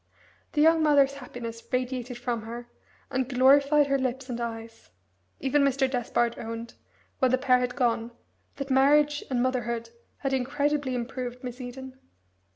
The young mother's happiness radiated from her, and glorified her lips and eyes. Even Mr. Despard owned, when the pair had gone, that marriage and motherhood had incredibly improved Miss Eden.